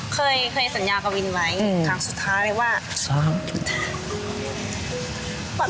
เคยสัญญากับวินไหมครั้งสุดท้ายว่า๓สุดท้าย